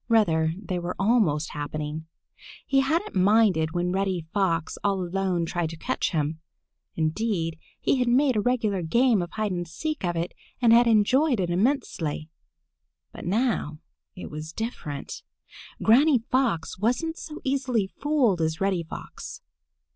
Rather, they were almost happening. He hadn't minded when Reddy Fox all alone tried to catch him. Indeed, he had made a regular game of hide and seek of it and had enjoyed it immensely. But now it was different. Granny Fox wasn't so easily fooled as Reddy Fox.